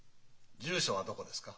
住所はどこですか？